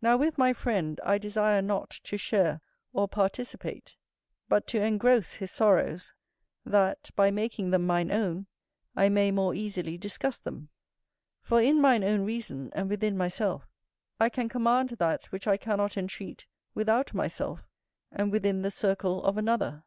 Now with my friend I desire not to share or participate, but to engross, his sorrows; that, by making them mine own, I may more easily discuss them: for in mine own reason, and within myself, I can command that which I cannot entreat without myself, and within the circle of another.